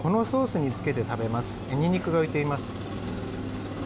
にんにくが浮いています。